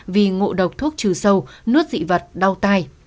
vì ngộ độc thuốc trừ sâu nốt dị vật đau tai